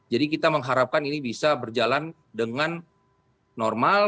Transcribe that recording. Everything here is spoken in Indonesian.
jadi kita mengharapkan ini bisa berjalan dengan normal